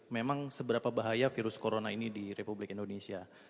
memang seberapa bahaya virus corona ini di republik indonesia